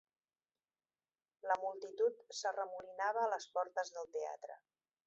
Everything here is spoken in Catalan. La multitud s'arremolinava a les portes del teatre.